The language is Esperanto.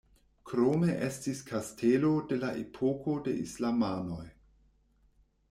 Krome estis kastelo de la epoko de islamanoj.